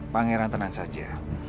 pangeran tenang saja